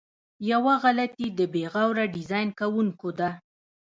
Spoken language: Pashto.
یوه غلطي د بې غوره ډیزاین کوونکو ده.